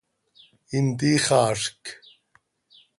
¿Intixaazc?